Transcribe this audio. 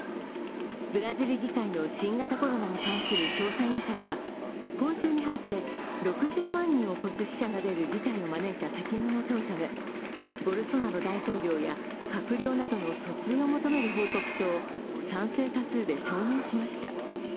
ブラジル議会の新型コロナに関する調査委員会は今週に入って６０万人を超す死者が出る事態を招いた責任を問うため、ボルソナロ大統領や閣僚などの訴追を求める報告書を賛成多数で承認しました。